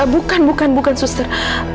bukan bukan bukan suster